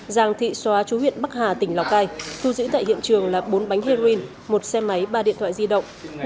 giàng thị xóa chú huyện bắc hà tỉnh lào cai thu giữ tại hiện trường là bốn bánh heroin một xe máy ba điện thoại di động